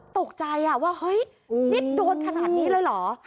ตกใจว่าเฮ้ยนี่โดนขนาดนี้เลยเหรอ